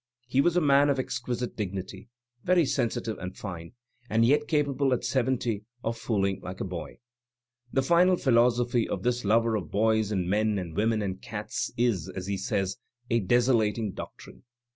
He was a man of exquisite dignity, very sensitive and fine, and yet capable at seventy of fooling like a boy. The final philosophy of this lover of boys and men and women and cats is, as he says, *^a desolating doctrine."